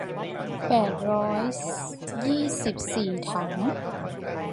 แปดร้อยยี่สิบสี่ถัง